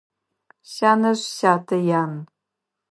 Сянэжъ сятэ ян.